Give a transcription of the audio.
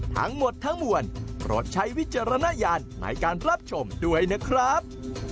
ทั้งหมดทั้งมวลโปรดใช้วิจารณญาณในการรับชมด้วยนะครับ